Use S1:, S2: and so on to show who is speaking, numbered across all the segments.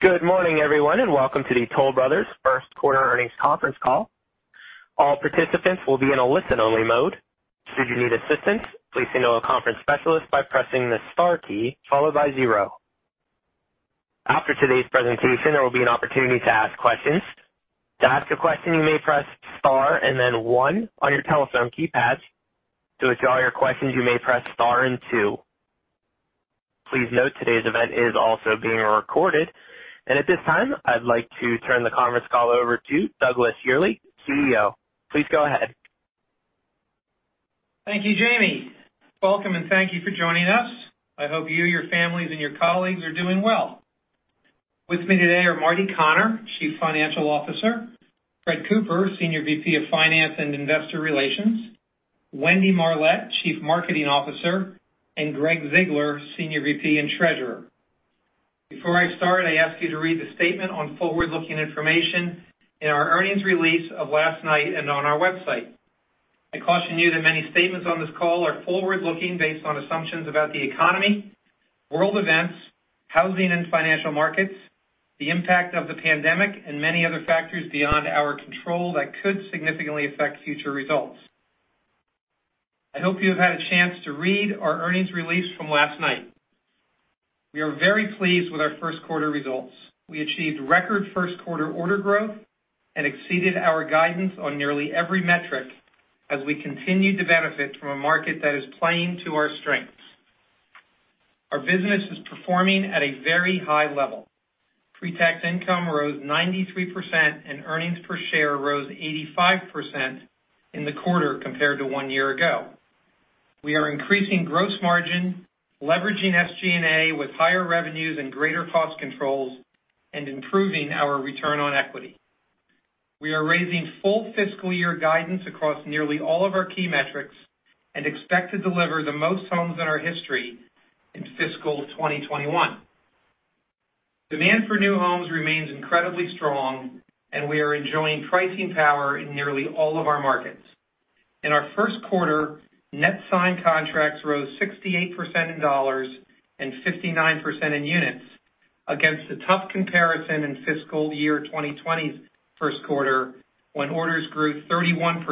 S1: Good morning everyone, and welcome to the Toll Brothers first quarter earnings conference call. All participants will be in a listen-only mode. If you need assistance please signal a conference specialist by pressing the star key followed by zero. After today's presentation, there will be an opportunity to ask questions. To ask a question you may press star and then one on your telephone keypad. To withdraw your question you may press star and two. Please note today's event is also being recorded. At this time, I'd like to turn the conference call over to Douglas Yearley, CEO. Please go ahead.
S2: Thank you, Jamie. Welcome and thank you for joining us. I hope you, your families, and your colleagues are doing well. With me today are Marty Connor, Chief Financial Officer, Fred Cooper, Senior VP of Finance and Investor Relations, Wendy Marlett, Chief Marketing Officer, and Gregg Ziegler, Senior VP and Treasurer. Before I start, I ask you to read the statement on forward-looking information in our earnings release of last night and on our website. I caution you that many statements on this call are forward-looking based on assumptions about the economy, world events, housing and financial markets, the impact of the pandemic, and many other factors beyond our control that could significantly affect future results. I hope you have had a chance to read our earnings release from last night. We are very pleased with our first quarter results. We achieved record first quarter order growth and exceeded our guidance on nearly every metric as we continue to benefit from a market that is playing to our strengths. Our business is performing at a very high level. Pre-tax income rose 93%, and earnings per share rose 85% in the quarter compared to one year ago. We are increasing gross margin, leveraging SG&A with higher revenues and greater cost controls, and improving our return on equity. We are raising full fiscal year guidance across nearly all of our key metrics and expect to deliver the most homes in our history in fiscal 2021. Demand for new homes remains incredibly strong, and we are enjoying pricing power in nearly all of our markets. In our first quarter, net signed contracts rose 68% in dollars and 59% in units against a tough comparison in fiscal year 2020's first quarter, when orders grew 31%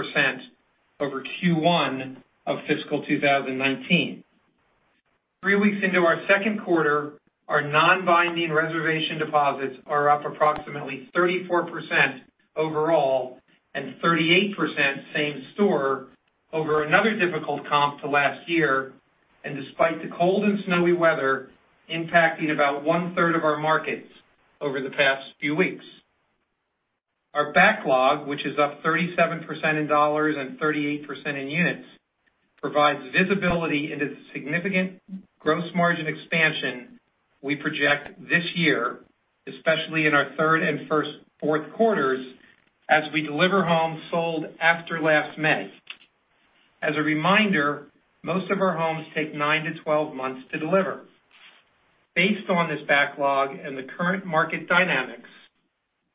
S2: over Q1 of fiscal 2019. Three weeks into our second quarter, our non-binding reservation deposits are up approximately 34% overall and 38% same store over another difficult comp to last year, and despite the cold and snowy weather impacting about one-third of our markets over the past few weeks. Our backlog, which is up 37% in dollars and 38% in units, provides visibility into the significant gross margin expansion we project this year, especially in our third and fourth quarters, as we deliver homes sold after last May. As a reminder, most of our homes take 9-12 months to deliver. Based on this backlog and the current market dynamics,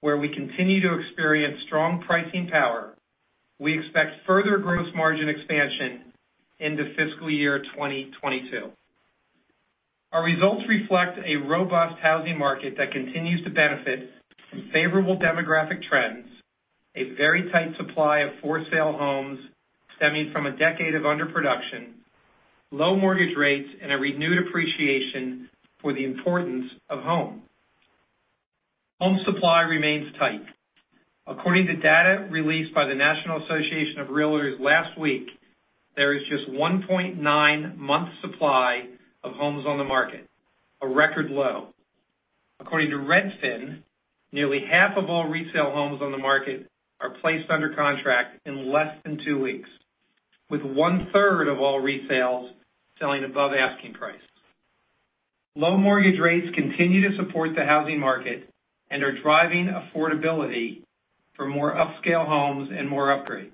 S2: where we continue to experience strong pricing power, we expect further gross margin expansion into fiscal year 2022. Our results reflect a robust housing market that continues to benefit from favorable demographic trends, a very tight supply of for-sale homes stemming from a decade of underproduction, low mortgage rates, and a renewed appreciation for the importance of home. Home supply remains tight. According to data released by the National Association of Realtors last week, there is just 1.9 months supply of homes on the market, a record low. According to Redfin, nearly half of all resale homes on the market are placed under contract in less than two weeks, with one-third of all resales selling above asking price. Low mortgage rates continue to support the housing market and are driving affordability for more upscale homes and more upgrades.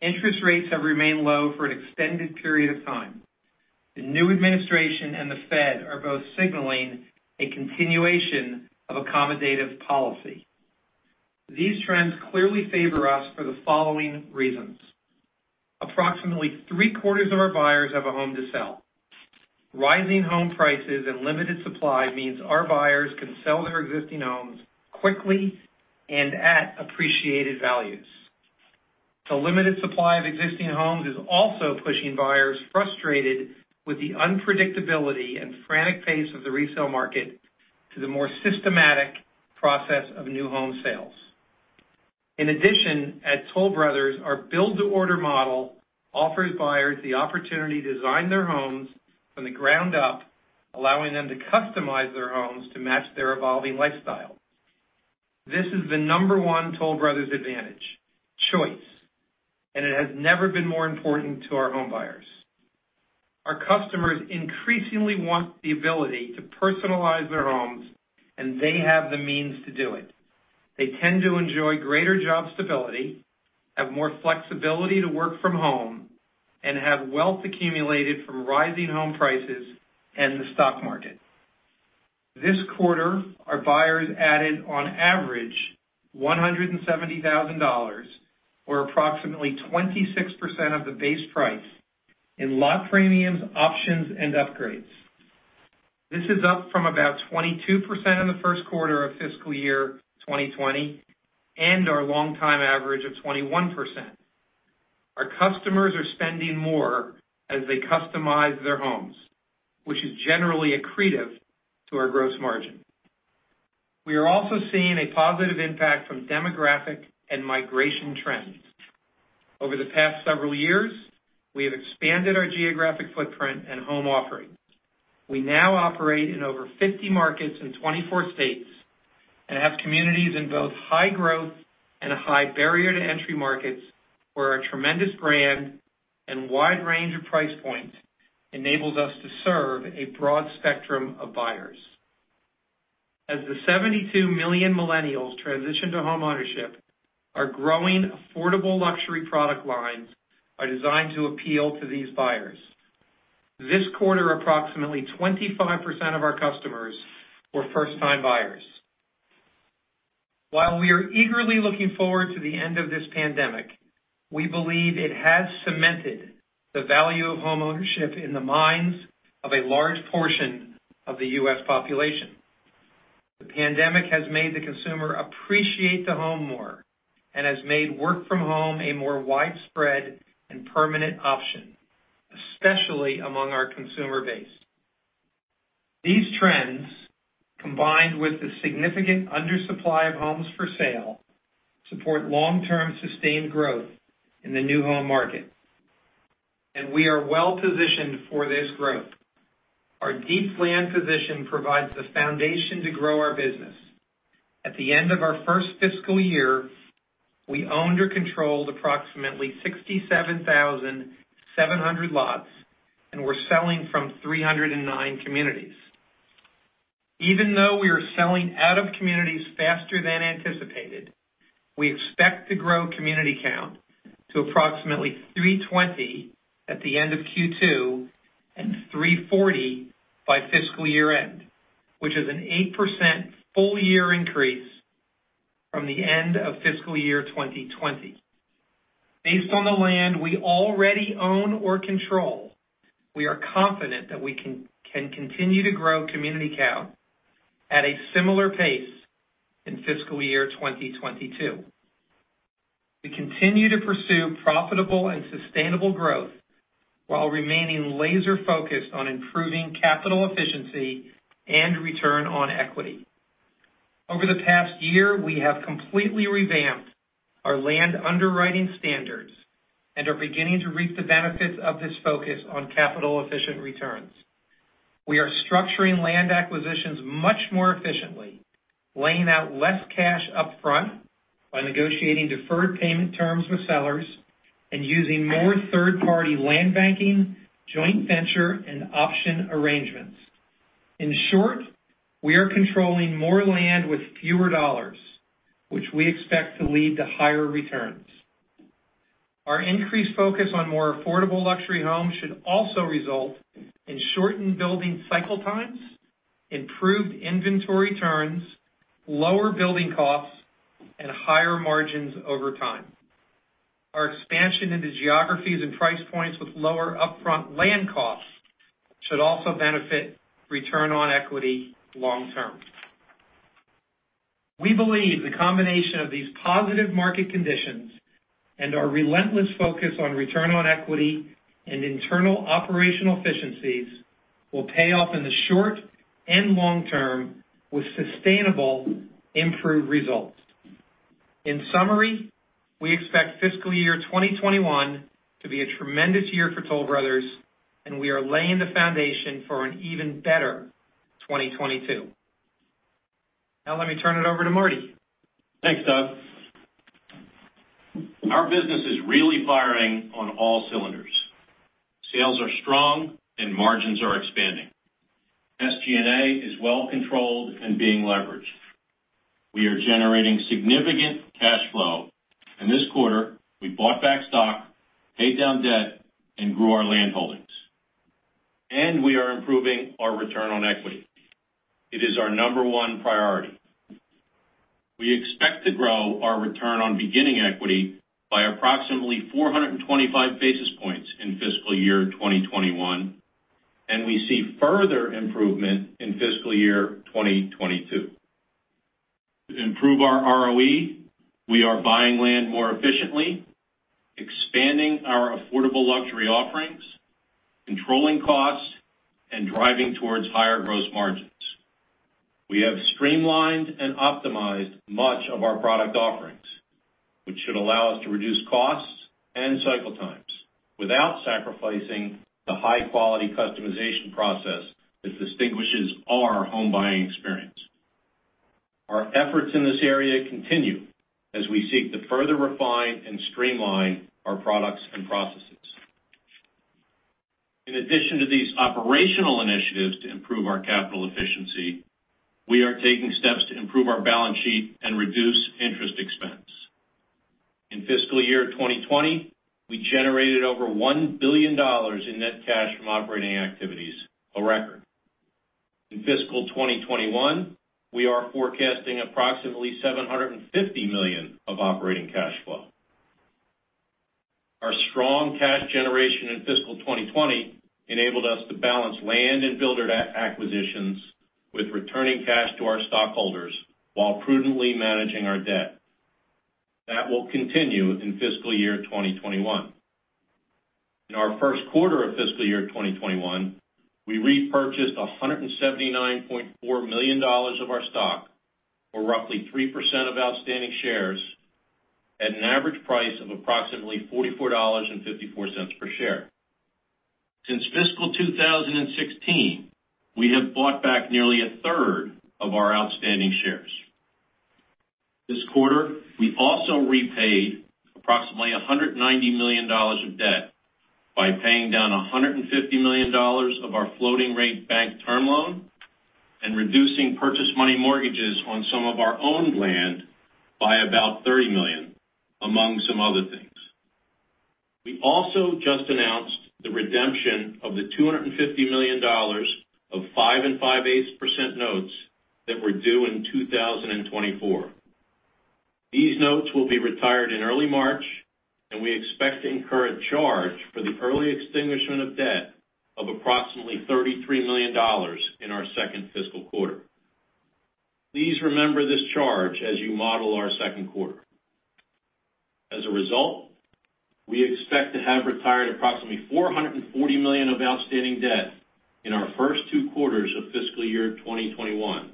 S2: Interest rates have remained low for an extended period of time. The new administration and the Fed are both signaling a continuation of accommodative policy. These trends clearly favor us for the following reasons. Approximately three-quarters of our buyers have a home to sell. Rising home prices and limited supply means our buyers can sell their existing homes quickly and at appreciated values. The limited supply of existing homes is also pushing buyers frustrated with the unpredictability and frantic pace of the resale market to the more systematic process of new home sales. In addition, at Toll Brothers, our build-to-order model offers buyers the opportunity to design their homes from the ground up, allowing them to customize their homes to match their evolving lifestyle. This is the number one Toll Brothers advantage, choice, and it has never been more important to our home buyers. Our customers increasingly want the ability to personalize their homes, and they have the means to do it. They tend to enjoy greater job stability, have more flexibility to work from home, and have wealth accumulated from rising home prices and the stock market. This quarter, our buyers added, on average, $170,000, or approximately 26% of the base price in lot premiums, options, and upgrades. This is up from about 22% in the first quarter of fiscal year 2020 and our longtime average of 21%. Our customers are spending more as they customize their homes, which is generally accretive to our gross margin. We are also seeing a positive impact from demographic and migration trends. Over the past several years, we have expanded our geographic footprint and home offerings. We now operate in over 50 markets in 24 states and have communities in both high growth and high barrier to entry markets, where our tremendous brand and wide range of price points enables us to serve a broad spectrum of buyers. As the 72 million millennials transition to home ownership, our growing affordable luxury product lines are designed to appeal to these buyers. This quarter, approximately 25% of our customers were first-time buyers. While we are eagerly looking forward to the end of this pandemic, we believe it has cemented the value of home ownership in the minds of a large portion of the U.S. population. The pandemic has made the consumer appreciate the home more and has made work from home a more widespread and permanent option, especially among our consumer base. These trends, combined with the significant undersupply of homes for sale, support long-term sustained growth in the new home market. We are well-positioned for this growth. Our deep land position provides the foundation to grow our business. At the end of our first fiscal year, we owned or controlled approximately 67,700 lots, and we're selling from 309 communities. Even though we are selling out of communities faster than anticipated, we expect to grow community count to approximately 320 at the end of Q2 and 340 by fiscal year-end, which is an 8% full-year increase from the end of fiscal year 2020. Based on the land we already own or control, we are confident that we can continue to grow community count at a similar pace in fiscal year 2022. We continue to pursue profitable and sustainable growth while remaining laser-focused on improving capital efficiency and return on equity. Over the past year, we have completely revamped our land underwriting standards and are beginning to reap the benefits of this focus on capital-efficient returns. We are structuring land acquisitions much more efficiently, laying out less cash upfront by negotiating deferred payment terms with sellers and using more third-party land banking, joint venture, and option arrangements. In short, we are controlling more land with fewer dollars, which we expect to lead to higher returns. Our increased focus on more affordable luxury homes should also result in shortened building cycle times, improved inventory turns, lower building costs, and higher margins over time. Our expansion into geographies and price points with lower upfront land costs should also benefit return on equity long term. We believe the combination of these positive market conditions and our relentless focus on return on equity and internal operational efficiencies will pay off in the short and long term with sustainable improved results. In summary, we expect fiscal year 2021 to be a tremendous year for Toll Brothers, and we are laying the foundation for an even better 2022. Now, let me turn it over to Marty.
S3: Thanks, Doug. Our business is really firing on all cylinders. Sales are strong and margins are expanding. SG&A is well controlled and being leveraged. We are generating significant cash flow. In this quarter, we bought back stock, paid down debt, and grew our land holdings. We are improving our return on equity. It is our number one priority. We expect to grow our return on beginning equity by approximately 425 basis points in fiscal year 2021, and we see further improvement in fiscal year 2022. To improve our ROE, we are buying land more efficiently, expanding our affordable luxury offerings, controlling costs, and driving towards higher gross margins. We have streamlined and optimized much of our product offerings, which should allow us to reduce costs and cycle times without sacrificing the high-quality customization process that distinguishes our home buying experience. Our efforts in this area continue as we seek to further refine and streamline our products and processes. In addition to these operational initiatives to improve our capital efficiency, we are taking steps to improve our balance sheet and reduce interest expense. In fiscal year 2020, we generated over $1 billion in net cash from operating activities, a record. In fiscal 2021, we are forecasting approximately $750 million of operating cash flow. Our strong cash generation in fiscal 2020 enabled us to balance land and builder acquisitions with returning cash to our stockholders while prudently managing our debt. That will continue in fiscal year 2021. In our first quarter of fiscal year 2021, we repurchased $179.4 million of our stock, or roughly 3% of outstanding shares, at an average price of approximately $44.54 per share. Since fiscal 2016, we have bought back nearly a third of our outstanding shares. This quarter, we also repaid approximately $190 million of debt by paying down $150 million of our floating rate bank term loan and reducing purchase money mortgages on some of our owned land by about $30 million, among some other things. We also just announced the redemption of the $250 million of 5.625% notes that were due in 2024. These notes will be retired in early March, and we expect to incur a charge for the early extinguishment of debt of approximately $33 million in our second fiscal quarter. Please remember this charge as you model our second quarter. As a result, we expect to have retired approximately $440 million of outstanding debt in our first two quarters of fiscal year 2021,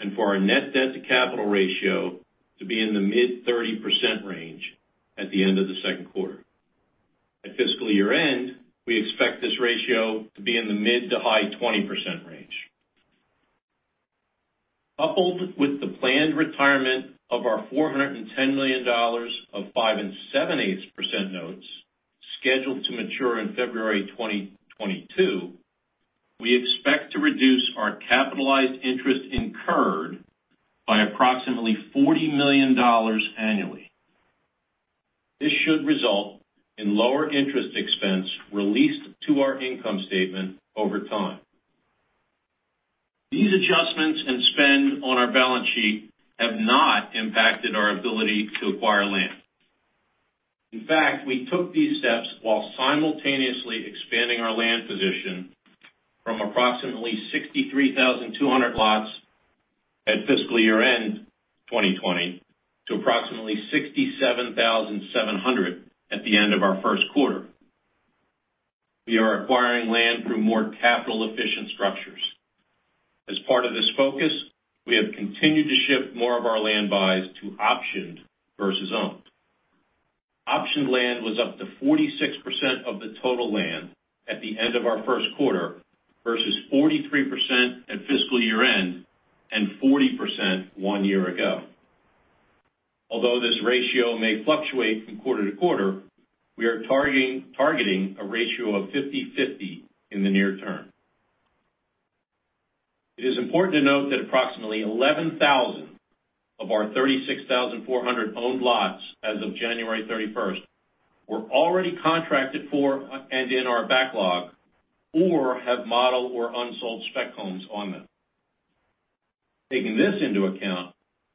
S3: and for our net debt to capital ratio to be in the mid-30% range at the end of the second quarter. At fiscal year-end, we expect this ratio to be in the mid to high 20% range. Coupled with the planned retirement of our $410 million of 5.875% notes scheduled to mature in February 2022, we expect to reduce our capitalized interest incurred by approximately $40 million annually. This should result in lower interest expense released to our income statement over time. These adjustments and spend on our balance sheet have not impacted our ability to acquire land. In fact, we took these steps while simultaneously expanding our land position from approximately 63,200 lots at fiscal year-end 2020, to approximately 67,700 at the end of our first quarter. We are acquiring land through more capital-efficient structures. As part of this focus, we have continued to shift more of our land buys to optioned versus owned. Optioned land was up to 46% of the total land at the end of our first quarter versus 43% at fiscal year-end and 40% one year ago. Although this ratio may fluctuate from quarter-to-quarter, we are targeting a ratio of 50/50 in the near term. It is important to note that approximately 11,000 of our 36,400 owned lots as of January 31st were already contracted for and in our backlog or have model or unsold spec homes on them. Taking this into account,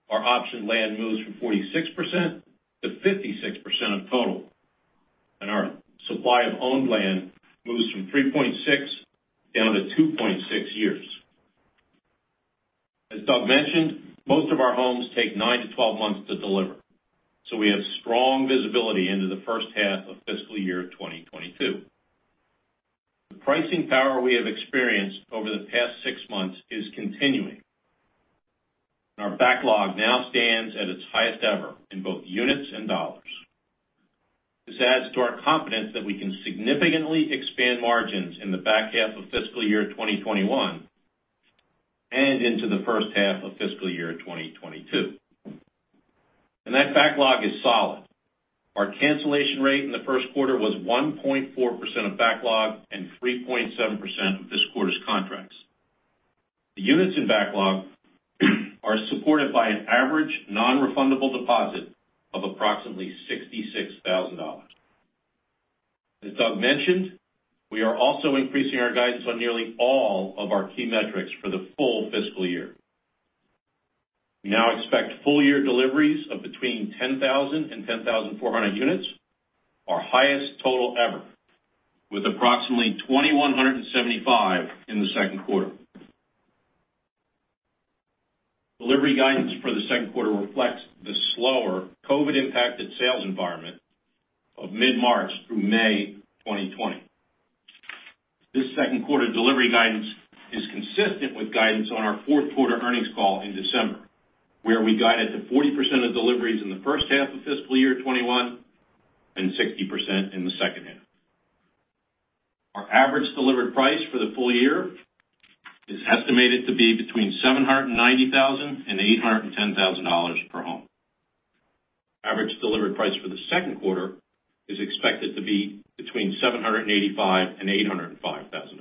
S3: our optioned land moves from 46%-56% of total, and our supply of owned land moves from 3.6 down to 2.6 years. As Doug mentioned, most of our homes take 9-12 months to deliver, so we have strong visibility into the first half of fiscal year 2022. The pricing power we have experienced over the past six months is continuing, and our backlog now stands at its highest ever in both units and dollars. This adds to our confidence that we can significantly expand margins in the back half of fiscal year 2021 and into the first half of fiscal year 2022. That backlog is solid. Our cancellation rate in the first quarter was 1.4% of backlog and 3.7% of this quarter's contracts. The units in backlog are supported by an average non-refundable deposit of approximately $66,000. As Doug mentioned, we are also increasing our guidance on nearly all of our key metrics for the full fiscal year. We now expect full-year deliveries of between 10,000 and 10,400 units, our highest total ever, with approximately 2,175 in the second quarter. Delivery guidance for the second quarter reflects the slower COVID-impacted sales environment of mid-March through May 2020. This second quarter delivery guidance is consistent with guidance on our fourth quarter earnings call in December, where we guided to 40% of deliveries in the first half of fiscal year 2021 and 60% in the second half. Our average delivered price for the full-year is estimated to be between $790,000 and $810,000 per home. Average delivered price for the second quarter is expected to be between $785,000 and $805,000.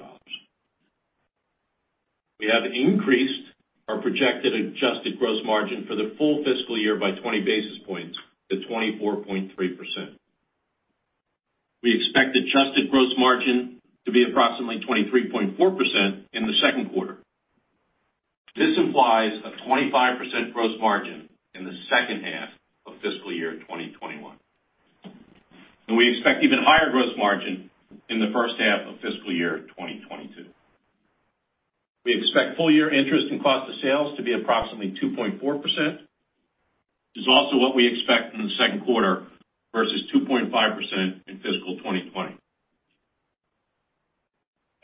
S3: We have increased our projected adjusted gross margin for the full fiscal year by 20 basis points to 24.3%. We expect adjusted gross margin to be approximately 23.4% in the second quarter. This implies a 25% gross margin in the second half of fiscal year 2021. We expect even higher gross margin in the first half of fiscal year 2022. We expect full-year interest in cost of sales to be approximately 2.4%, which is also what we expect in the second quarter versus 2.5% in fiscal 2020.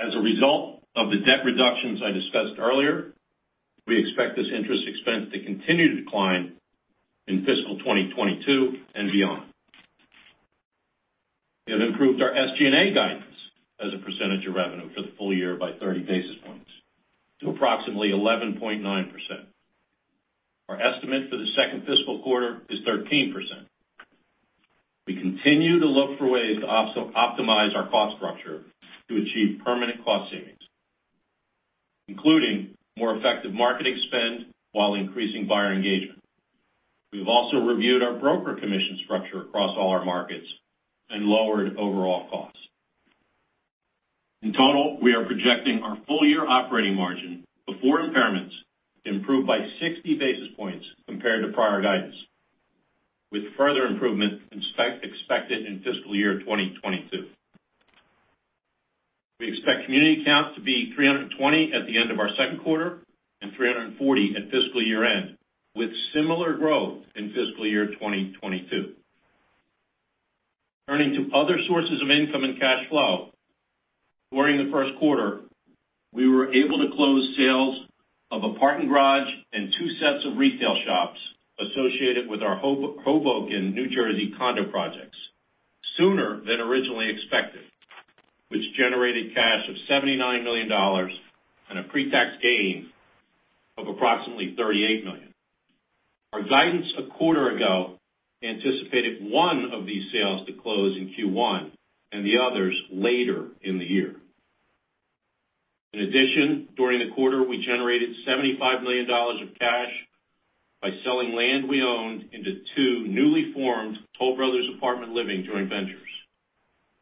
S3: As a result of the debt reductions I discussed earlier, we expect this interest expense to continue to decline in fiscal 2022 and beyond. We have improved our SG&A guidance as a percentage of revenue for the full-year by 30 basis points to approximately 11.9%. Our estimate for the second fiscal quarter is 13%. We continue to look for ways to optimize our cost structure to achieve permanent cost savings, including more effective marketing spend while increasing buyer engagement. We've also reviewed our broker commission structure across all our markets and lowered overall costs. In total, we are projecting our full-year operating margin before impairments to improve by 60 basis points compared to prior guidance, with further improvement expected in fiscal year 2022. We expect community count to be 320 at the end of our second quarter and 340 at fiscal year-end, with similar growth in fiscal year 2022. Turning to other sources of income and cash flow. During the first quarter, we were able to close sales of a parking garage and two sets of retail shops associated with our Hoboken, New Jersey condo projects sooner than originally expected, which generated cash of $79 million and a pre-tax gain of approximately $38 million. Our guidance a quarter ago anticipated one of these sales to close in Q1 and the others later in the year. In addition, during the quarter, we generated $75 million of cash by selling land we owned into two newly formed Toll Brothers Apartment Living joint ventures,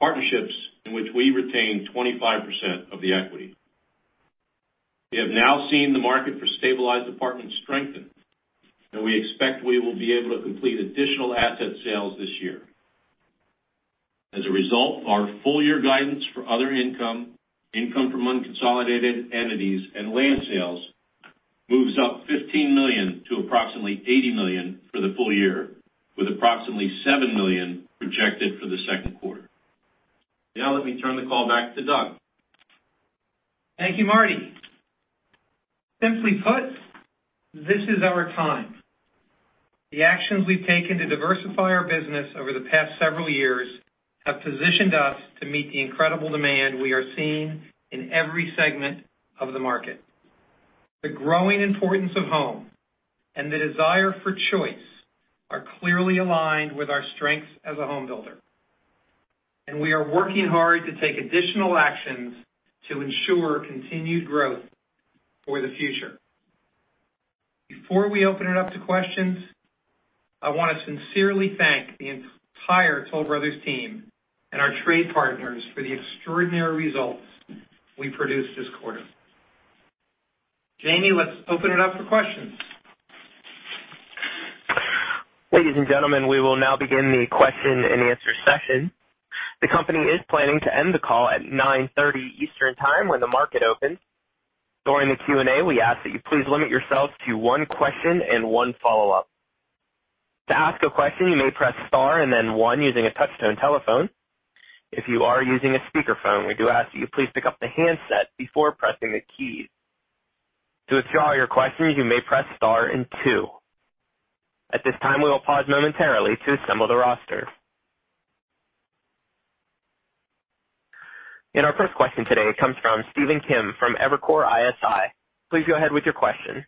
S3: partnerships in which we retain 25% of the equity. We have now seen the market for stabilized apartments strengthen, we expect we will be able to complete additional asset sales this year. As a result, our full-year guidance for other income from unconsolidated entities, and land sales moves up $15 million to approximately $80 million for the full-year, with approximately $7 million projected for the second quarter. Let me turn the call back to Doug.
S2: Thank you, Marty. Simply put, this is our time. The actions we've taken to diversify our business over the past several years have positioned us to meet the incredible demand we are seeing in every segment of the market. The growing importance of home and the desire for choice are clearly aligned with our strength as a home builder, and we are working hard to take additional actions to ensure continued growth for the future. Before we open it up to questions, I want to sincerely thank the entire Toll Brothers team and our trade partners for the extraordinary results we produced this quarter. Jamie, let's open it up for questions.
S1: Ladies and gentlemen, we will now begin the question-and-answer session. The company is planning to end the call at 9:30 A.M. Eastern Time when the market opens. During the Q&A, we ask that you please limit yourselves to one question and one follow-up. To ask a question, you may press star and then one using a touch-tone telephone. If you are using a speakerphone, we do ask that you please pick up the handset before pressing the keys. To withdraw your question, you may press star and two. At this time, we will pause momentarily to assemble the roster. Our first question today comes from Stephen Kim from Evercore ISI. Please go ahead with your question.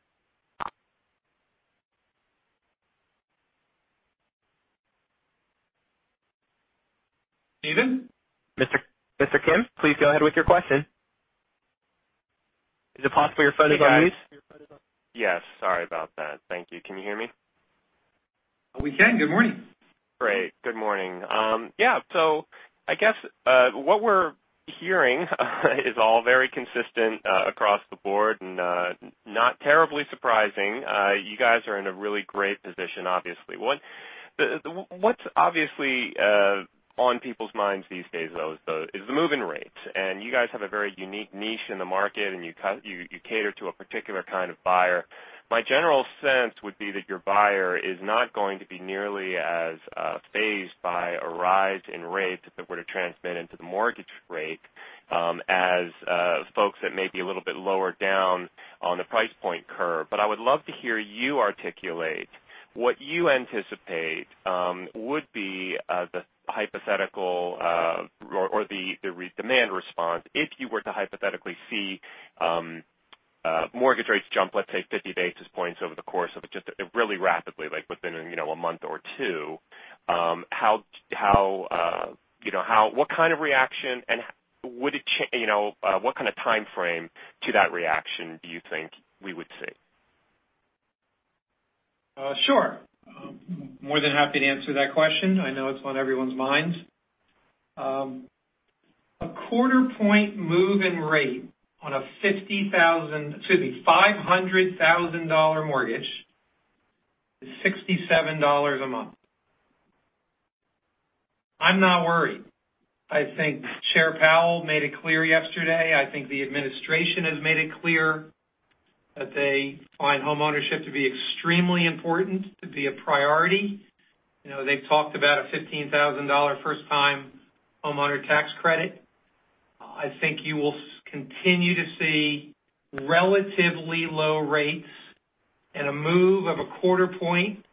S2: Stephen?
S1: Mr. Kim, please go ahead with your question. Is it possible you're muted on mute?
S4: Hey, guys. Yes, sorry about that. Thank you. Can you hear me?
S2: We can. Good morning.
S4: Great. Good morning. Yeah. I guess, what we're hearing is all very consistent across the board and not terribly surprising. You guys are in a really great position, obviously. What's obviously on people's minds these days, though, is the move-in rates. You guys have a very unique niche in the market, and you cater to a particular kind of buyer. My general sense would be that your buyer is not going to be nearly as phased by a rise in rates if it were to transmit into the mortgage rate, as folks that may be a little bit lower down on the price point curve. I would love to hear you articulate what you anticipate would be the hypothetical or the demand response if you were to hypothetically see mortgage rates jump, let's say, 50 basis points over the course of just really rapidly, like within a month or two. What kind of reaction and what kind of timeframe to that reaction do you think we would see?
S2: Sure. More than happy to answer that question. I know it's on everyone's minds. A quarter point move in rate on a $500,000 mortgage is $67 a month. I'm not worried. I think Chair Powell made it clear yesterday. I think the administration has made it clear that they find homeownership to be extremely important, to be a priority. They've talked about a $15,000 first-time homeowner tax credit. I think you will continue to see relatively low rates and a move of a quarter point,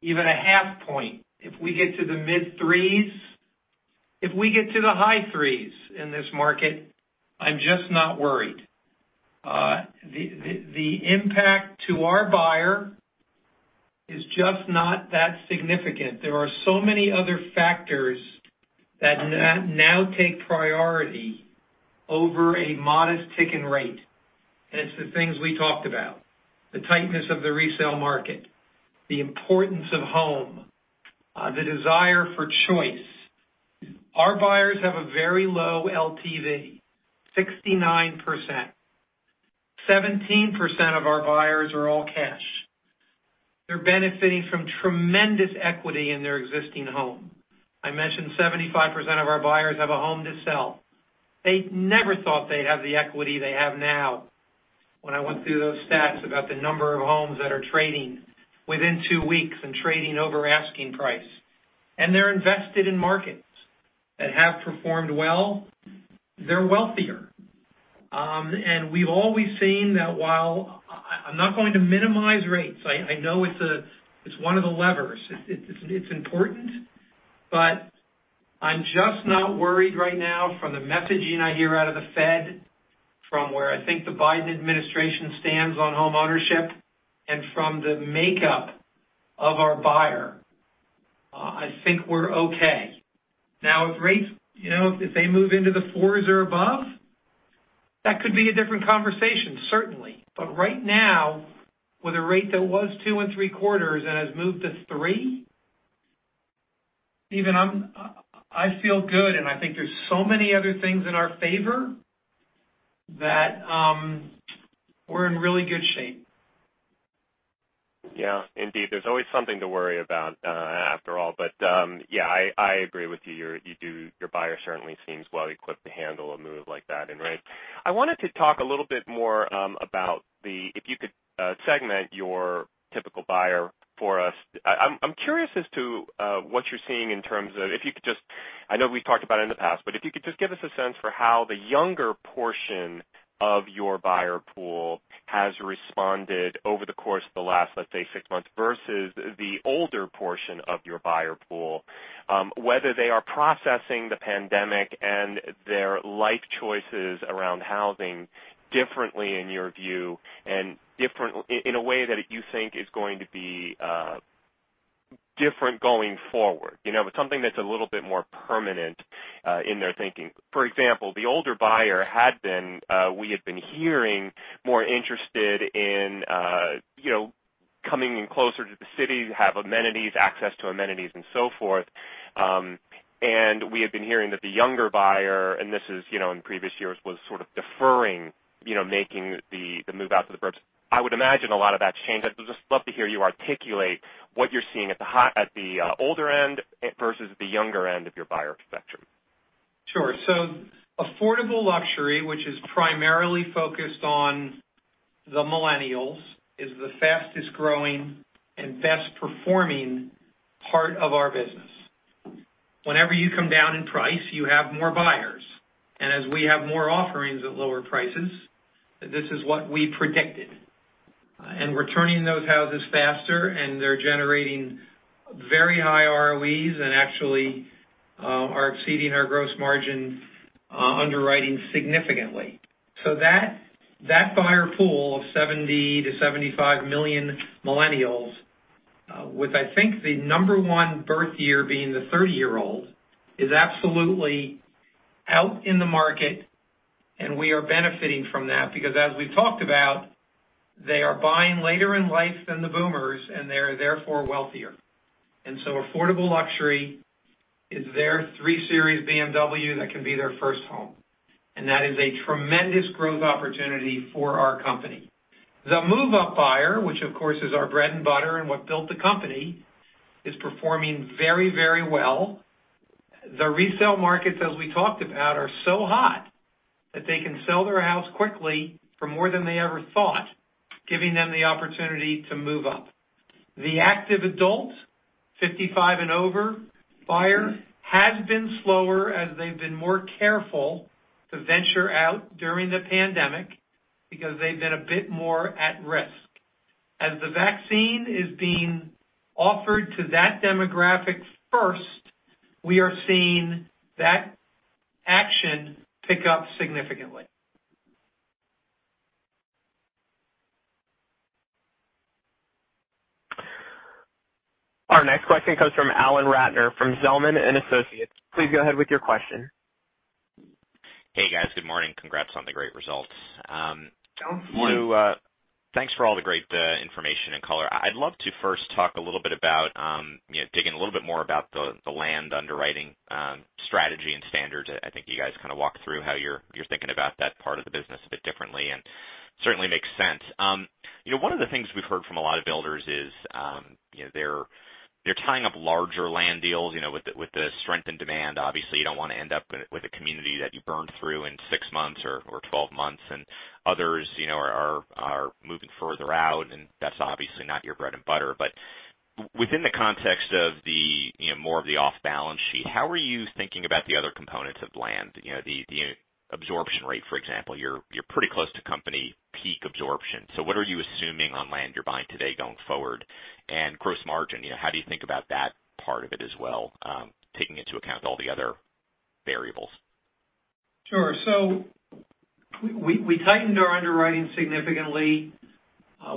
S2: even a half point. If we get to the mid threes, if we get to the high threes in this market, I'm just not worried. The impact to our buyer is just not that significant. There are so many other factors that now take priority over a modest tick in rate, and it's the things we talked about. The tightness of the resale market, the importance of home, the desire for choice. Our buyers have a very low LTV, 69%. 17% of our buyers are all cash. They're benefiting from tremendous equity in their existing home. I mentioned 75% of our buyers have a home to sell. They never thought they'd have the equity they have now when I went through those stats about the number of homes that are trading within two weeks and trading over asking price. They're invested in markets that have performed well. They're wealthier. We've always seen that while I'm not going to minimize rates. I know it's one of the levers. It's important, but I'm just not worried right now from the messaging I hear out of the Fed, from where I think the Biden administration stands on homeownership, and from the makeup of our buyer. I think we're okay. If rates, if they move into the fours or above, that could be a different conversation, certainly. Right now, with a rate that was two and three quarters and has moved to three, Stephen, I feel good, and I think there's so many other things in our favor that we're in really good shape.
S4: Yeah. Indeed. There's always something to worry about after all. Yeah, I agree with you. Your buyer certainly seems well equipped to handle a move like that in rates. I wanted to talk a little bit more about if you could segment your typical buyer for us. I'm curious as to what you're seeing in terms of, I know we've talked about it in the past, but if you could just give us a sense for how the younger portion of your buyer pool has responded over the course of the last, let's say, six months versus the older portion of your buyer pool. Whether they are processing the pandemic and their life choices around housing differently in your view, and in a way that you think is going to be different going forward. Something that's a little bit more permanent in their thinking. For example, we had been hearing more interested in coming in closer to the city, have amenities, access to amenities and so forth. We had been hearing that the younger buyer, and this is in previous years, was sort of deferring making the move out to the burbs. I would imagine a lot of that's changed. I'd just love to hear you articulate what you're seeing at the older end versus the younger end of your buyer spectrum.
S2: Sure. Affordable luxury, which is primarily focused on the millennials, is the fastest-growing and best-performing part of our business. Whenever you come down in price, you have more buyers. As we have more offerings at lower prices, this is what we predicted. We're turning those houses faster, and they're generating very high ROEs and actually are exceeding our gross margin underwriting significantly. That buyer pool of 70 million-75 million millennials, with I think the number one birth year being the 30-year-olds, is absolutely out in the market, and we are benefiting from that because as we've talked about, they are buying later in life than the boomers, and they are therefore wealthier. Affordable luxury is their 3 Series BMW that can be their first home. That is a tremendous growth opportunity for our company. The move-up buyer, which of course is our bread and butter and what built the company, is performing very well. The resale markets, as we talked about, are so hot that they can sell their house quickly for more than they ever thought, giving them the opportunity to move up. The active adult 55 and over buyer has been slower as they've been more careful to venture out during the pandemic because they've been a bit more at risk. As the vaccine is being offered to that demographic first, we are seeing that action pick up significantly.
S1: Our next question comes from Alan Ratner from Zelman & Associates. Please go ahead with your question.
S5: Hey, guys. Good morning. Congrats on the great result.
S2: Thank you.
S5: Thanks for all the great information and color. I'd love to first talk a little bit about digging a little bit more about the land underwriting strategy and standards. I think you guys kind of walked through how you're thinking about that part of the business a bit differently, and certainly makes sense. One of the things we've heard from a lot of builders is they're tying up larger land deals with the strength and demand. Obviously, you don't want to end up with a community that you burn through in six months or 12 months, and others are moving further out, and that's obviously not your bread and butter. Within the context of more of the off-balance sheet, how are you thinking about the other components of land? The absorption rate, for example. You're pretty close to company peak absorption. What are you assuming on land you're buying today going forward? Gross margin, how do you think about that part of it as well, taking into account all the other variables?
S2: Sure. We tightened our underwriting significantly.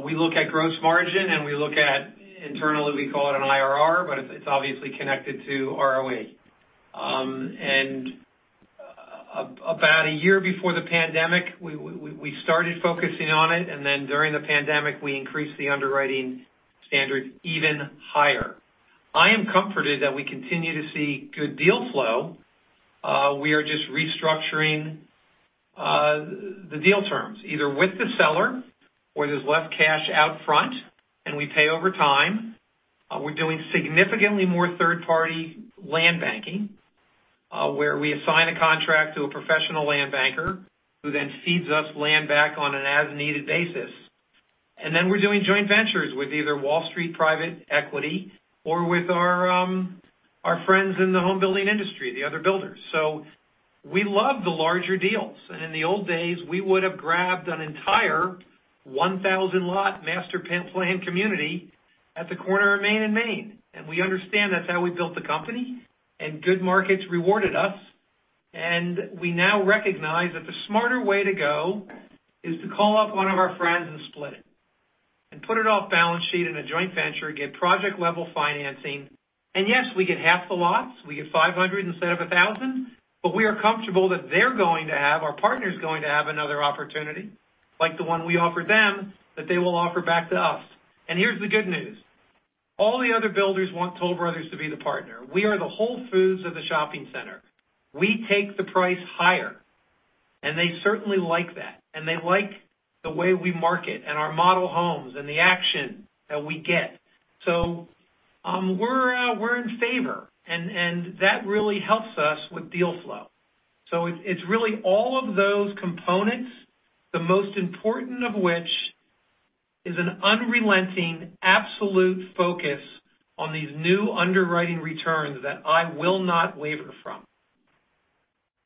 S2: We look at gross margin and we look at, internally, we call it an IRR, but it's obviously connected to ROE. About a year before the pandemic, we started focusing on it, and then during the pandemic, we increased the underwriting standard even higher. I am comforted that we continue to see good deal flow. We are just restructuring the deal terms, either with the seller, where there's less cash out front and we pay over time. We're doing significantly more third-party land banking, where we assign a contract to a professional land banker who then feeds us land back on an as-needed basis. We're doing joint ventures with either Wall Street private equity or with our friends in the home building industry, the other builders. We love the larger deals, and in the old days, we would have grabbed an entire 1,000-lot master plan community at the corner of Main and Main. We understand that's how we built the company, and good markets rewarded us. We now recognize that the smarter way to go is to call up one of our friends and split it and put it off balance sheet in a joint venture, get project-level financing. Yes, we get half the lots. We get 500 instead of 1,000, we are comfortable that our partner's going to have another opportunity, like the one we offer them, that they will offer back to us. Here's the good news. All the other builders want Toll Brothers to be the partner. We are the Whole Foods of the shopping center. We take the price higher, they certainly like that. They like the way we market and our model homes and the action that we get. We're in favor, and that really helps us with deal flow. It's really all of those components, the most important of which is an unrelenting, absolute focus on these new underwriting returns that I will not waver from.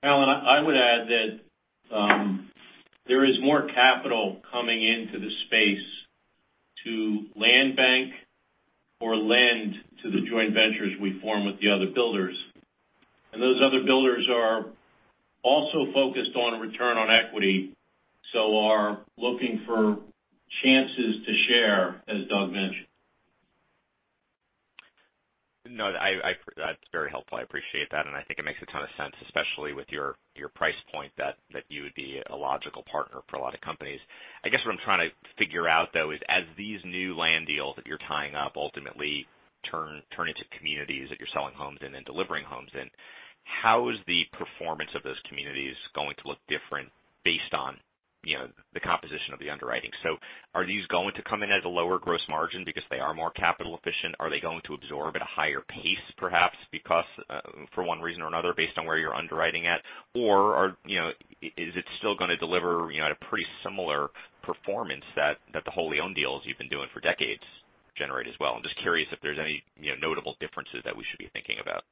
S3: Alan, I would add that there is more capital coming into the space to land bank or lend to the joint ventures we form with the other builders. Those other builders are also focused on return on equity, so are looking for chances to share, as Doug mentioned.
S5: No, that's very helpful. I appreciate that, and I think it makes a ton of sense, especially with your price point, that you would be a logical partner for a lot of companies. I guess what I'm trying to figure out, though, is as these new land deals that you're tying up ultimately turn into communities that you're selling homes in and delivering homes in, how is the performance of those communities going to look different based on the composition of the underwriting? Are these going to come in at a lower gross margin because they are more capital efficient? Are they going to absorb at a higher pace perhaps because, for one reason or another based on where you're underwriting at? Is it still going to deliver at a pretty similar performance that the wholly-owned deals you've been doing for decades generate as well? I'm just curious if there's any notable differences that we should be thinking about.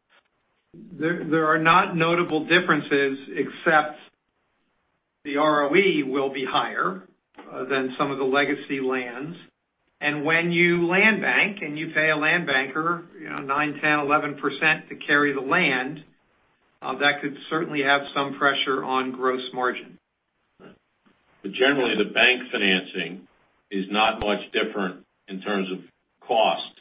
S2: There are not notable differences, except the ROE will be higher than some of the legacy lands. When you land bank and you pay a land banker 9%, 10%, 11% to carry the land, that could certainly have some pressure on gross margin.
S3: Generally, the bank financing is not much different in terms of cost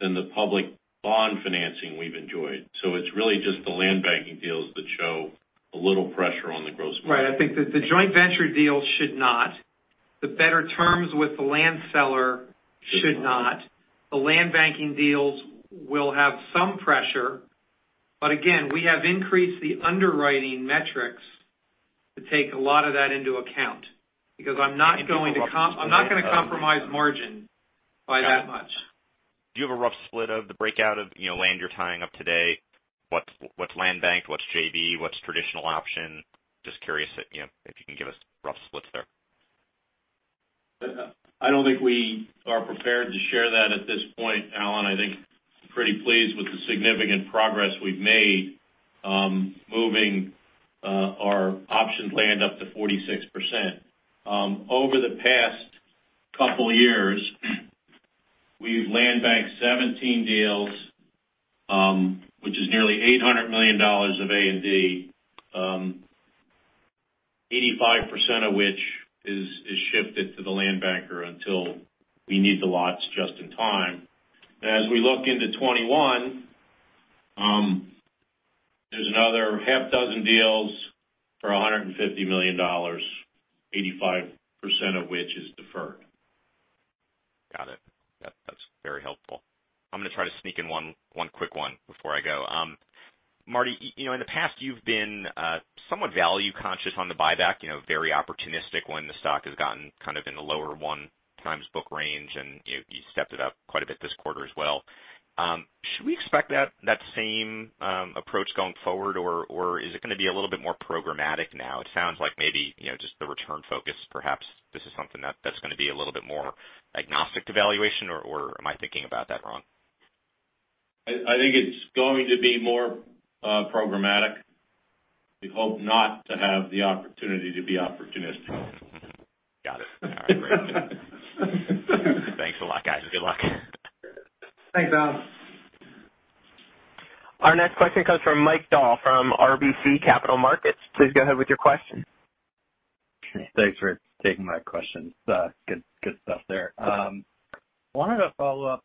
S3: than the public bond financing we've enjoyed. It's really just the land banking deals that show a little pressure on the gross margin.
S2: Right. I think that the joint venture deals should not. The better terms with the land seller should not. The land banking deals will have some pressure. Again, we have increased the underwriting metrics to take a lot of that into account, because I'm not going to compromise margin by that much.
S5: Do you have a rough split of the breakout of land you're tying up today? What's land banked? What's JV? What's traditional option? Just curious if you can give us rough splits there.
S3: I don't think we are prepared to share that at this point, Alan. I think pretty pleased with the significant progress we've made moving our optioned land up to 46%. Over the past couple of years, we've land banked 17 deals, which is nearly $800 million of A&D. 85% of which is shifted to the land banker until we need the lots just in time. As we look into 2021, there's another half dozen deals for $150 million, 85% of which is deferred.
S5: Got it. Yep, that's very helpful. I'm going to try to sneak in one quick one before I go. Marty, in the past, you've been somewhat value conscious on the buyback, very opportunistic when the stock has gotten in the lower one times book range, and you stepped it up quite a bit this quarter as well. Should we expect that same approach going forward, or is it going to be a little bit more programmatic now? It sounds like maybe, just the return focus, perhaps this is something that's going to be a little bit more agnostic to valuation, or am I thinking about that wrong?
S3: I think it's going to be more programmatic. We hope not to have the opportunity to be opportunistic.
S5: Got it. All right. Great. Thanks a lot, guys. Good luck.
S3: Thanks, Alan.
S1: Our next question comes from Mike Dahl from RBC Capital Markets. Please go ahead with your question.
S6: Thanks for taking my questions. Good stuff there.
S3: Yeah.
S6: I wanted to follow up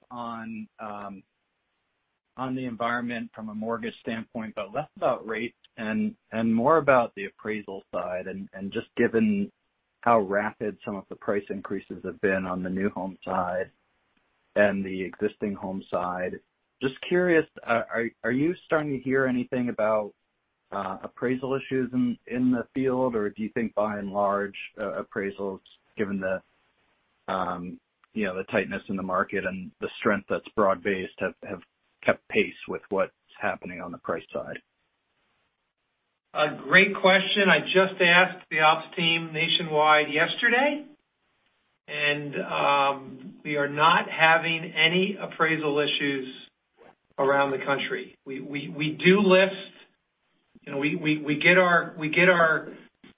S6: on the environment from a mortgage standpoint, but less about rates and more about the appraisal side. Just given how rapid some of the price increases have been on the new home side and the existing home side, just curious, are you starting to hear anything about appraisal issues in the field, or do you think by and large, appraisals, given the tightness in the market and the strength that's broad-based, have kept pace with what's happening on the price side?
S2: A great question. I just asked the ops team nationwide yesterday, and we are not having any appraisal issues around the country. We do list. We get our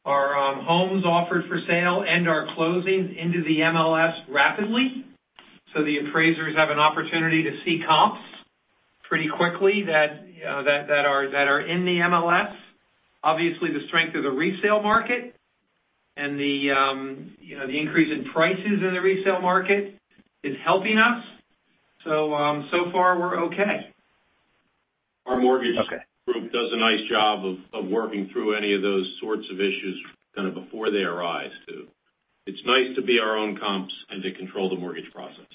S2: homes offered for sale and our closings into the MLS rapidly, so the appraisers have an opportunity to see comps pretty quickly that are in the MLS. Obviously, the strength of the resale market and the increase in prices in the resale market is helping us. So far we're okay.
S6: Okay.
S3: Our mortgage group does a nice job of working through any of those sorts of issues before they arise, too. It's nice to be our own comps and to control the mortgage process.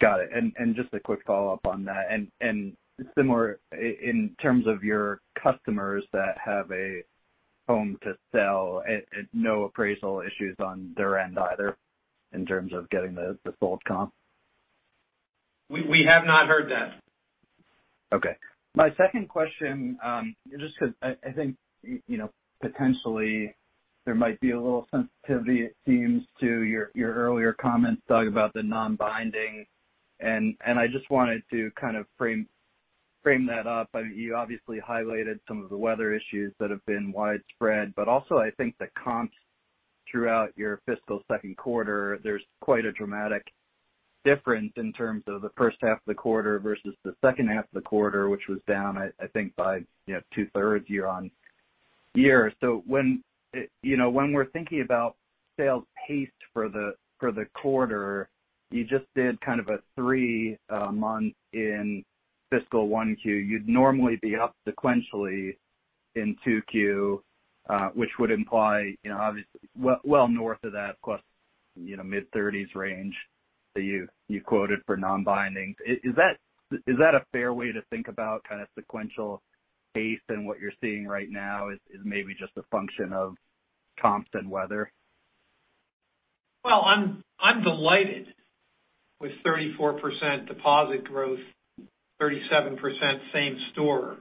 S6: Got it. Just a quick follow-up on that. Similar in terms of your customers that have a home to sell at no appraisal issues on their end either in terms of getting the sold comp?
S3: We have not heard that.
S6: Okay. My second question, just because I think potentially there might be a little sensitivity, it seems, to your earlier comments talking about the non-binding. I just wanted to kind of frame that up. You obviously highlighted some of the weather issues that have been widespread. Also, I think the comps throughout your fiscal second quarter, there's quite a dramatic difference in terms of the first half of the quarter versus the second half of the quarter, which was down, I think by 2/3 year-on-year. When we're thinking about sales pace for the quarter, you just did kind of a three-month in fiscal 1Q. You'd normally be up sequentially in 2Q, which would imply obviously well north of that plus mid-30s range that you quoted for non-binding. Is that a fair way to think about kind of sequential pace and what you're seeing right now is maybe just a function of comps and weather?
S2: Well, I'm delighted with 34% deposit growth, 37% same store.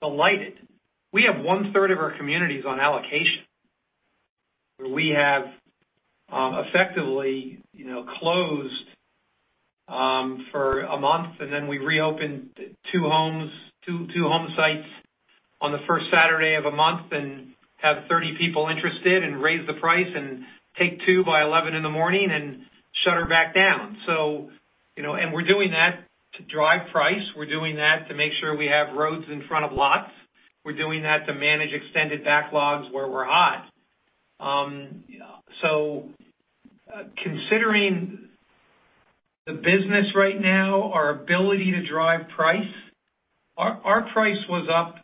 S2: Delighted. We have 1/3 of our communities on allocation, where we have effectively closed for a month, and then we reopen two home sites on the first Saturday of a month and have 30 people interested and raise the price and take two by 11 in the morning and shutter back down. We're doing that to drive price. We're doing that to make sure we have roads in front of lots. We're doing that to manage extended backlogs where we're hot. Considering the business right now, our ability to drive price, our price was up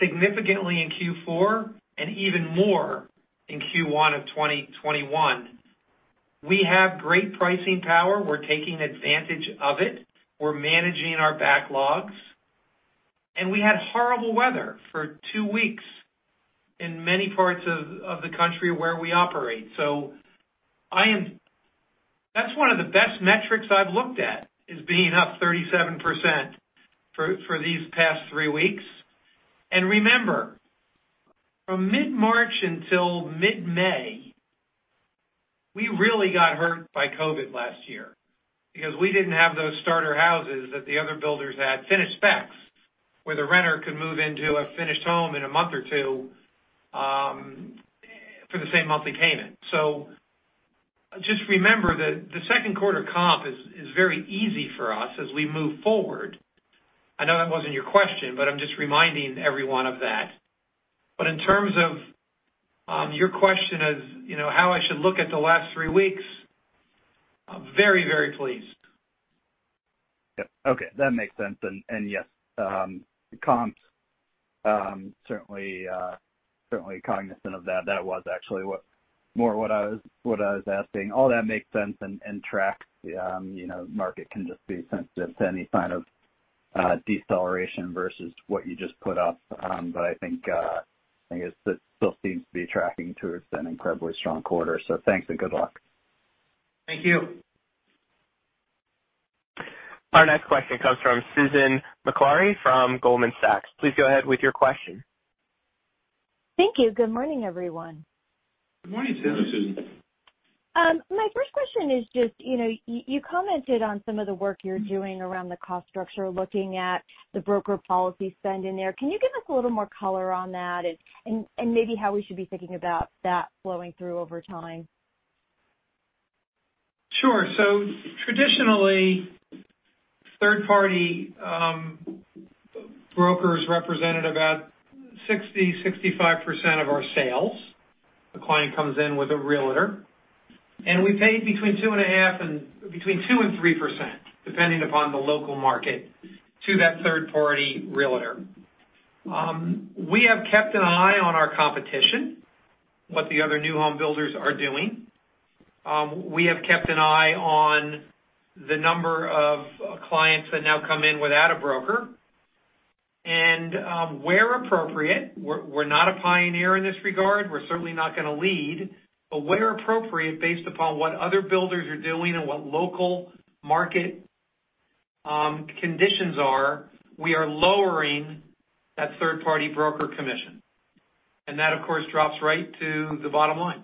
S2: significantly in Q4 and even more in Q1 of 2021. We have great pricing power. We're taking advantage of it. We're managing our backlogs. We had horrible weather for two weeks in many parts of the country where we operate. That's one of the best metrics I've looked at, is being up 37% for these past three weeks. Remember, from mid-March until mid-May, we really got hurt by COVID last year because we didn't have those starter houses that the other builders had, finished specs, where the renter could move into a finished home in a month or two for the same monthly payment. Remember that the second quarter comp is very easy for us as we move forward. I know that wasn't your question, I'm just reminding everyone of that. In terms of your question of how I should look at the last three weeks, I'm very, very pleased.
S6: Yep. Okay. That makes sense. Yes, comps, certainly cognizant of that. That was actually more what I was asking. All that makes sense and tracks. Market can just be sensitive to any sign of deceleration versus what you just put up. I think it still seems to be tracking towards an incredibly strong quarter. Thanks, and good luck.
S2: Thank you.
S1: Our next question comes from Susan Maklari from Goldman Sachs. Please go ahead with your question.
S7: Thank you. Good morning, everyone.
S2: Good morning to you, Susan.
S7: My first question is just, you commented on some of the work you're doing around the cost structure, looking at the broker policy spend in there. Can you give us a little more color on that and maybe how we should be thinking about that flowing through over time?
S2: Sure. Traditionally, third-party brokers represented about 60%-65% of our sales. The client comes in with a realtor, and we paid between 2.5% and between 2% and 3%, depending upon the local market, to that third-party realtor. We have kept an eye on our competition, what the other new home builders are doing. We have kept an eye on the number of clients that now come in without a broker. Where appropriate, we're not a pioneer in this regard, we're certainly not going to lead, but where appropriate, based upon what other builders are doing and what local market conditions are, we are lowering that third-party broker commission. That, of course, drops right to the bottom line.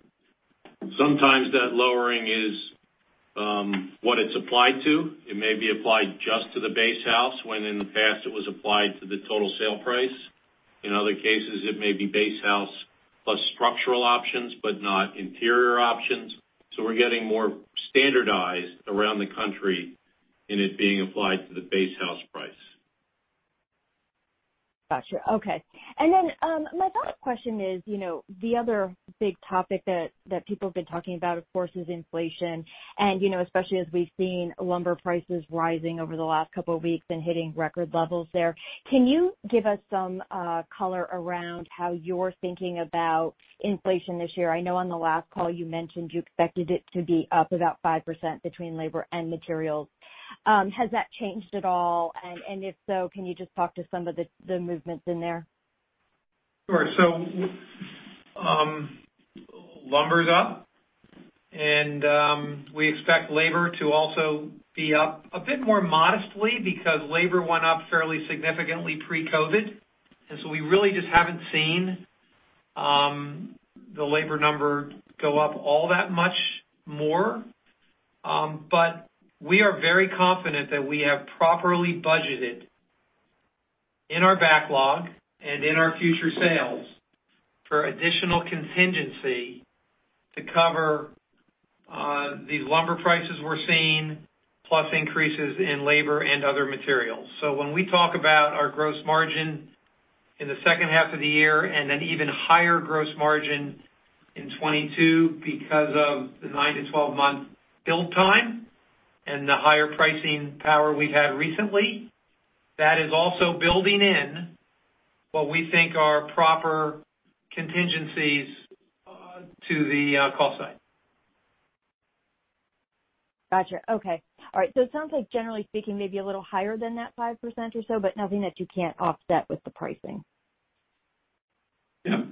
S3: Sometimes that lowering is what it's applied to. It may be applied just to the base house, when in the past it was applied to the total sale price. In other cases, it may be base house plus structural options, but not interior options. We're getting more standardized around the country in it being applied to the base house price.
S7: Got you. Okay. My follow-up question is, the other big topic that people have been talking about, of course, is inflation. Especially as we've seen lumber prices rising over the last couple of weeks and hitting record levels there. Can you give us some color around how you're thinking about inflation this year? I know on the last call you mentioned you expected it to be up about 5% between labor and materials. Has that changed at all? If so, can you just talk to some of the movements in there?
S2: Sure. Lumber is up, we expect labor to also be up a bit more modestly because labor went up fairly significantly pre-COVID. We really just haven't seen the labor number go up all that much more. We are very confident that we have properly budgeted in our backlog and in our future sales for additional contingency to cover these lumber prices we're seeing, plus increases in labor and other materials. When we talk about our gross margin in the second half of the year and an even higher gross margin in 2022 because of the 9-12 month build time and the higher pricing power we've had recently, that is also building in what we think are proper contingencies to the cost side.
S7: Got you. Okay. All right. It sounds like generally speaking, maybe a little higher than that 5% or so, but nothing that you can't offset with the pricing.
S3: Yep.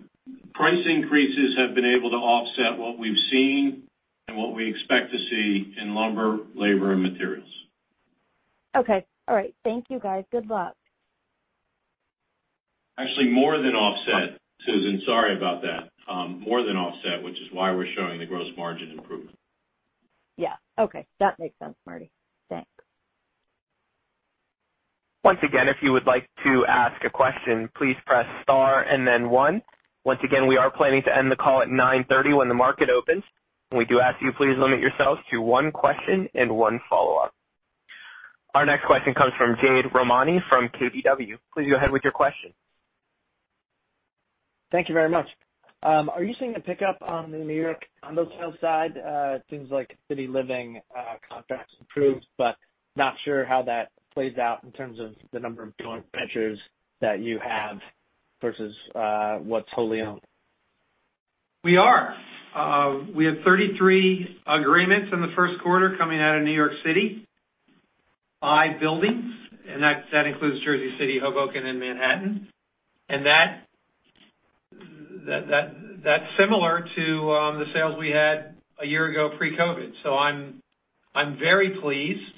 S3: Price increases have been able to offset what we've seen and what we expect to see in lumber, labor, and materials.
S7: Okay. All right. Thank you guys. Good luck.
S3: Actually, more than offset, Susan, sorry about that. More than offset, which is why we're showing the gross margin improvement.
S7: Okay. That makes sense, Marty. Thanks.
S1: Once again, if you would like to ask a question, please press star and then one. We are planning to end the call at 9:30 A.M. when the market opens. We do ask you please limit yourselves to one question and one follow-up. Our next question comes from Jade Rahmani from KBW. Please go ahead with your question.
S8: Thank you very much. Are you seeing a pickup on the New York condo sales side? It seems like City Living contracts improved, but not sure how that plays out in terms of the number of joint ventures that you have versus what's wholly owned.
S2: We have 33 agreements in the first quarter coming out of New York City, five buildings, and that includes Jersey City, Hoboken, and Manhattan. That's similar to the sales we had a year ago pre-COVID. I'm very pleased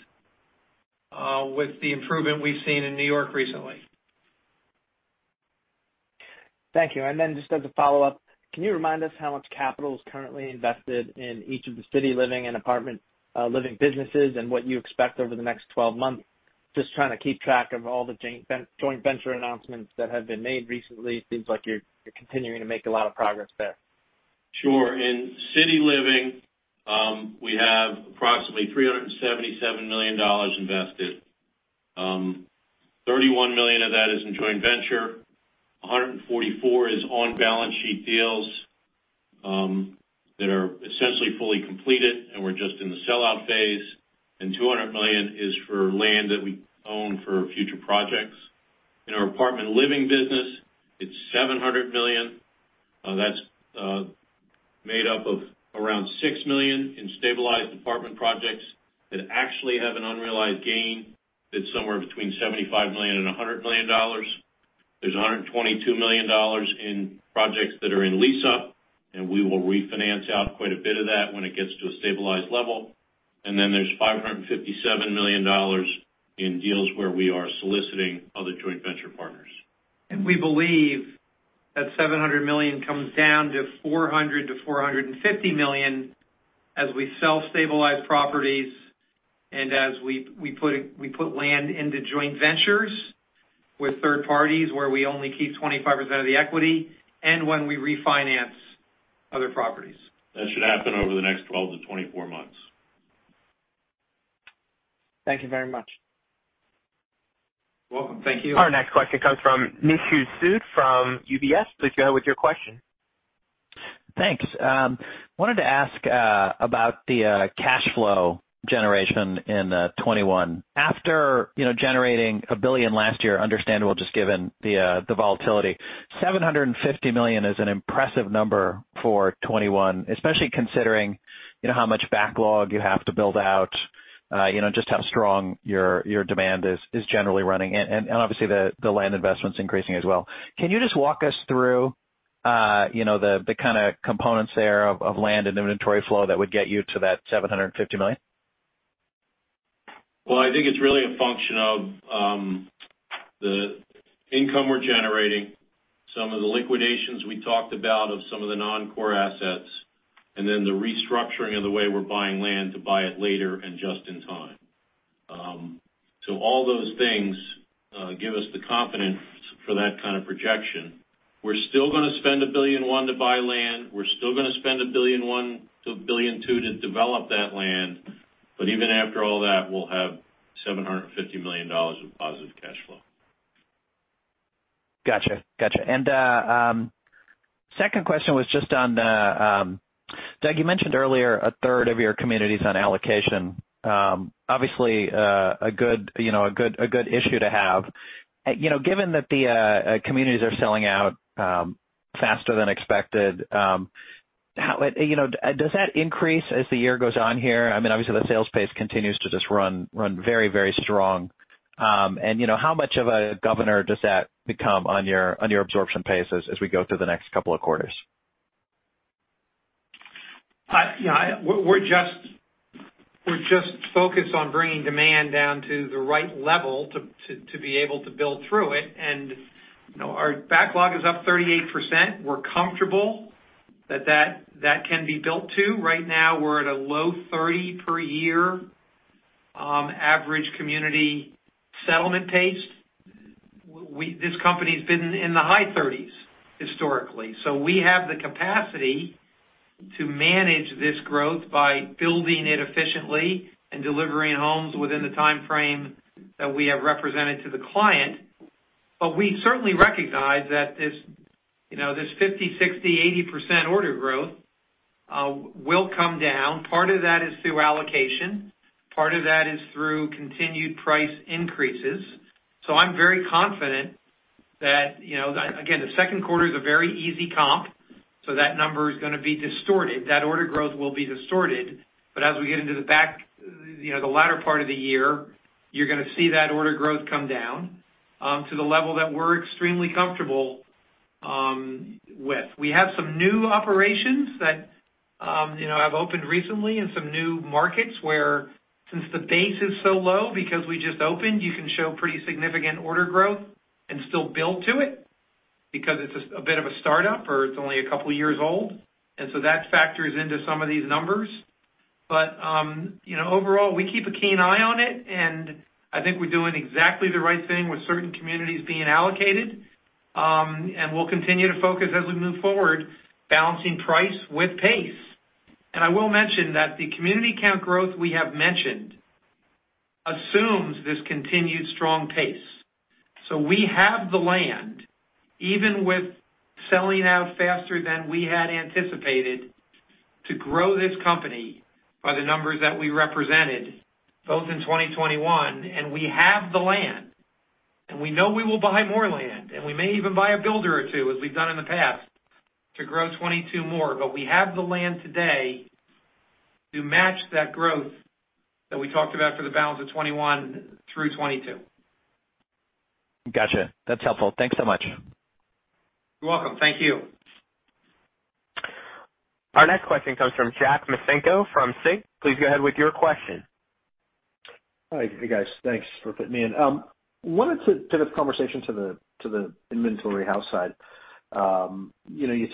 S2: with the improvement we've seen in New York recently.
S8: Thank you. Just as a follow-up, can you remind us how much capital is currently invested in each of the City Living and Apartment Living businesses and what you expect over the next 12 months? Just trying to keep track of all the joint venture announcements that have been made recently. Seems like you're continuing to make a lot of progress there.
S3: Sure. In City Living, we have approximately $377 million invested. $31 million of that is in joint venture, $144 million is on balance sheet deals that are essentially fully completed, and we're just in the sellout phase, and $200 million is for land that we own for future projects. In our Apartment Living business, it's $700 million. That's made up of around $6 million in stabilized apartment projects that actually have an unrealized gain that's somewhere between $75 million and $100 million. There's $122 million in projects that are in lease up, and we will refinance out quite a bit of that when it gets to a stabilized level. Then there's $557 million in deals where we are soliciting other joint venture partners.
S2: We believe that $700 million comes down to $400 million-$450 million as we sell stabilized properties and as we put land into joint ventures with third parties, where we only keep 25% of the equity, and when we refinance other properties.
S3: That should happen over the next 12-24 months.
S8: Thank you very much.
S3: Welcome. Thank you.
S1: Our next question comes from Nishu Sood from UBS. Please go ahead with your question.
S9: Thanks. I wanted to ask about the cash flow generation in 2021. After generating $1 billion last year, understandable, just given the volatility, $750 million is an impressive number for 2021, especially considering how much backlog you have to build out, just how strong your demand is generally running, and obviously, the land investment's increasing as well. Can you just walk us through the kind of components there of land and inventory flow that would get you to that $750 million?
S3: Well, I think it's really a function of the income we're generating, some of the liquidations we talked about of some of the non-core assets, and then the restructuring of the way we're buying land to buy it later and just in time. All those things give us the confidence for that kind of projection. We're still going to spend $1.1 billion to buy land. We're still going to spend $1.1 billion-$1.2 billion to develop that land. Even after all that, we'll have $750 million of positive cash flow.
S9: Got you. Second question was just on, Doug, you mentioned earlier a third of your community is on allocation. Obviously, a good issue to have. Given that the communities are selling out faster than expected, does that increase as the year goes on here? Obviously, the sales pace continues to just run very strong. How much of a governor does that become on your absorption pace as we go through the next couple of quarters?
S2: We're just focused on bringing demand down to the right level to be able to build through it. Our backlog is up 38%. We're comfortable that that can be built to. Right now, we're at a low 30 per year average community settlement pace. This company's been in the high 30s historically. We have the capacity to manage this growth by building it efficiently and delivering homes within the timeframe that we have represented to the client. We certainly recognize that this 50%, 60%, 80% order growth will come down. Part of that is through allocation. Part of that is through continued price increases. I'm very confident that, again, the second quarter is a very easy comp, so that number is going to be distorted. That order growth will be distorted. As we get into the latter part of the year, you're going to see that order growth come down to the level that we're extremely comfortable with. We have some new operations that have opened recently in some new markets where since the base is so low because we just opened, you can show pretty significant order growth and still build to it because it's a bit of a startup, or it's only a couple of years old, so that factors into some of these numbers. Overall, we keep a keen eye on it, and I think we're doing exactly the right thing with certain communities being allocated. We'll continue to focus as we move forward, balancing price with pace. I will mention that the community count growth we have mentioned assumes this continued strong pace. We have the land, even with selling out faster than we had anticipated, to grow this company by the numbers that we represented, both in 2021. We have the land, and we know we will buy more land, and we may even buy a builder or two, as we've done in the past, to grow 2022 more. We have the land today to match that growth that we talked about for the balance of 2021 through 2022.
S9: Got you. That's helpful. Thanks so much.
S2: You're welcome. Thank you.
S1: Our next question comes from Jack Micenko from SIG. Please go ahead with your question.
S10: Hi. Hey, guys. Thanks for putting me in. Wanted to pivot the conversation to the inventory house side. Let's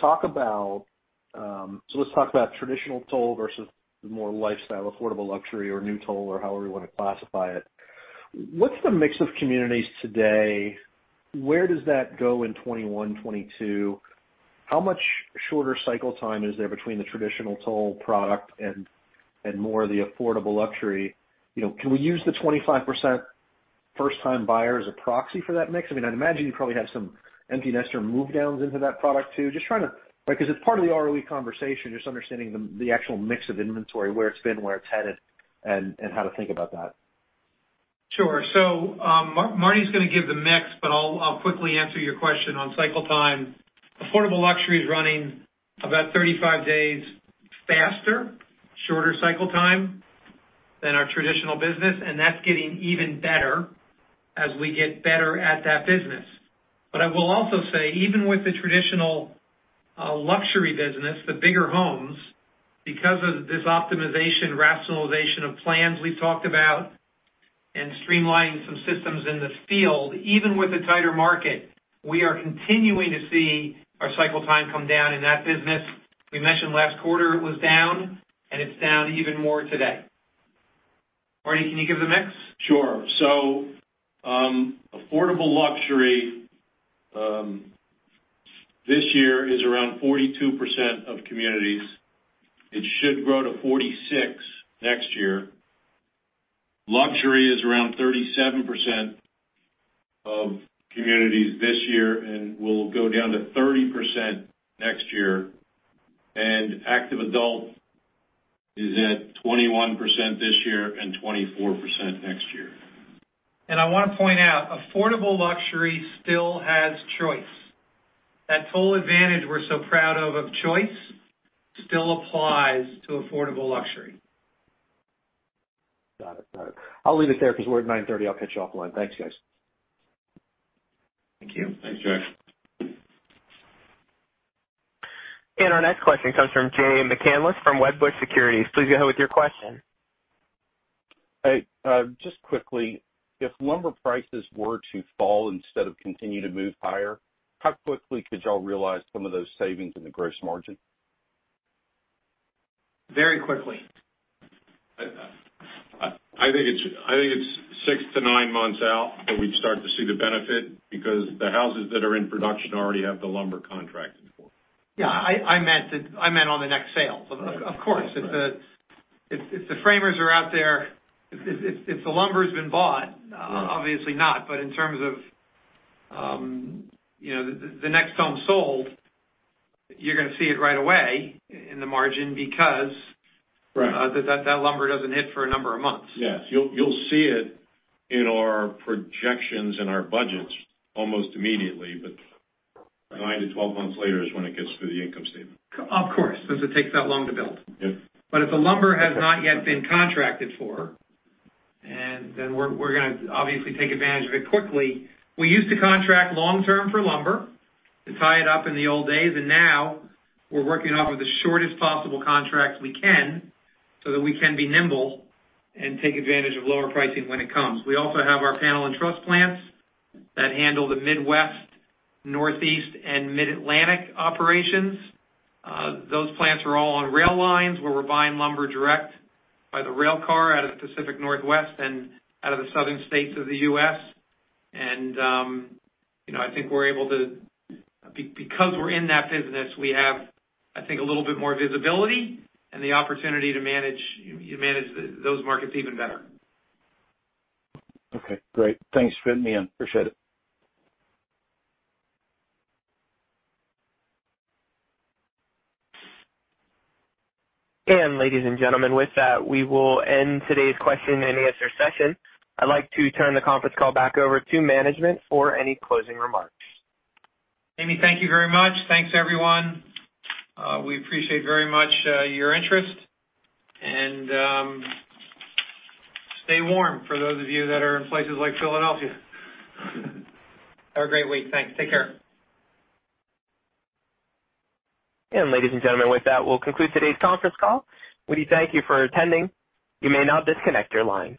S10: talk about traditional Toll versus more lifestyle, affordable luxury or new Toll, or however you want to classify it. What's the mix of communities today? Where does that go in 2021, 2022? How much shorter cycle time is there between the traditional Toll product and more of the affordable luxury? Can we use the 25% first-time buyer as a proxy for that mix? I imagine you probably have some empty nester move-downs into that product too. Because it's part of the ROE conversation, just understanding the actual mix of inventory, where it's been, where it's headed, and how to think about that.
S2: Sure. Marty's going to give the mix, but I'll quickly answer your question on cycle time. affordable luxury is running about 35 days faster, shorter cycle time than our traditional business, and that's getting even better as we get better at that business. I will also say, even with the traditional luxury business, the bigger homes, because of this optimization, rationalization of plans we've talked about, and streamlining some systems in the field, even with a tighter market, we are continuing to see our cycle time come down in that business. We mentioned last quarter it was down, and it's down even more today. Marty, can you give the mix?
S3: Sure. affordable luxury this year is around 42% of communities. It should grow to 46% next year. Luxury is around 37% of communities this year and will go down to 30% next year. active adult is at 21% this year and 24% next year.
S2: I want to point out, affordable luxury still has choice. That Toll Advantage we're so proud of choice, still applies to affordable luxury.
S10: Got it. I'll leave it there because we're at 9:30 A.M. I'll catch you offline. Thanks, guys.
S2: Thank you.
S3: Thanks, Jack.
S1: Our next question comes from Jay McCanless from Wedbush Securities. Please go ahead with your question.
S11: Hey, just quickly, if lumber prices were to fall instead of continue to move higher, how quickly could you all realize some of those savings in the gross margin?
S2: Very quickly.
S3: I think it's six to nine months out that we'd start to see the benefit because the houses that are in production already have the lumber contracted for.
S2: Yeah, I meant on the next sale. Of course. If the framers are out there, if the lumber's been bought, obviously not, but in terms of the next home sold, you're going to see it right away in the margin because.
S3: Right
S2: that lumber doesn't hit for a number of months.
S3: Yes. You'll see it in our projections and our budgets almost immediately, but 9-12 months later is when it gets to the income statement.
S2: Of course, since it takes that long to build.
S3: Yes.
S2: If the lumber has not yet been contracted for, then we're going to obviously take advantage of it quickly. We used to contract long-term for lumber, to tie it up in the old days. Now we're working off of the shortest possible contracts we can so that we can be nimble and take advantage of lower pricing when it comes. We also have our panel and truss plants that handle the Midwest, Northeast, and Mid-Atlantic operations. Those plants are all on rail lines where we're buying lumber direct by the rail car out of the Pacific Northwest and out of the southern states of the U.S. I think because we're in that business, we have, I think, a little bit more visibility and the opportunity to manage those markets even better.
S11: Okay, great. Thanks for fitting me in. Appreciate it.
S1: Ladies and gentlemen, with that, we will end today's question and answer session. I'd like to turn the conference call back over to management for any closing remarks.
S2: Jamie, thank you very much. Thanks, everyone. We appreciate very much your interest. Stay warm for those of you that are in places like Philadelphia. Have a great week. Thanks. Take care.
S1: Ladies and gentlemen, with that, we'll conclude today's conference call. We thank you for attending. You may now disconnect your lines.